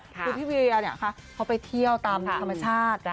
คือพี่เวียเขาไปเที่ยวตามธรรมชาติ